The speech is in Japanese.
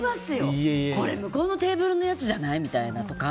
これ向こうのテーブルのやつじゃない？みたいな。